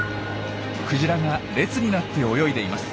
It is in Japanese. クジラが列になって泳いでいます。